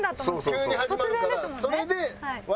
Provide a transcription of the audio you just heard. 急に始まるからそれで。